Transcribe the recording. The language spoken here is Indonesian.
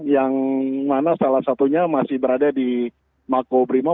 yang mana salah satunya masih berada di mako primot